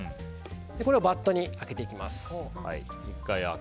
これをバットにあけていきます。